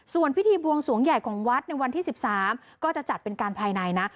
ส่วนพิธีบวงสวงใหญ่ของวัดในวันที่๑๓ก็จะจัดเป็นการภายในนะ